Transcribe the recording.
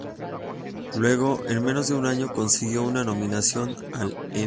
Luego, en menos de un año, consiguió una nominación al Emmy.